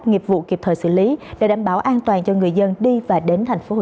nghiệp vụ kịp thời xử lý để đảm bảo an toàn cho người dân đi và đến tp hcm